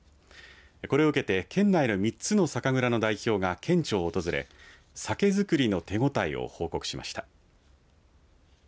これを受けて県内にある３つの酒蔵の代表が県庁を訪れ酒造りの手応えを報告しました。